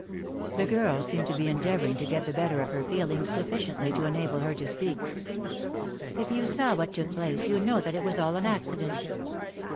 The girl seemed to be endeavouring to get the better of her feelings sufficiently to enable her to speak. "If you saw what took place you know that it was all an accident."